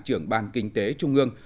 trưởng ban kinh tế trung ương